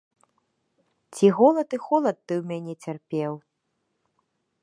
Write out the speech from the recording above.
Ці голад і холад ты ў мяне цярпеў?